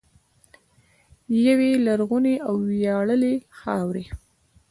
یوې لرغونې او ویاړلې خاورې.